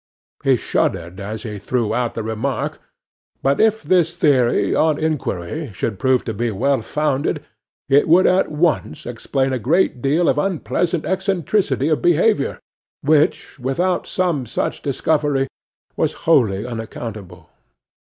He shuddered as he threw out the remark; but if this theory, on inquiry, should prove to be well founded, it would at once explain a great deal of unpleasant eccentricity of behaviour, which, without some such discovery, was wholly unaccountable.